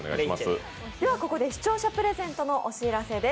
視聴者プレゼントのお知らせです。